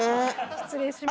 失礼します。